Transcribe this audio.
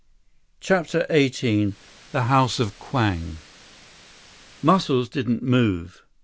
144 CHAPTER XVIII The House of Kwang Muscles didn't move.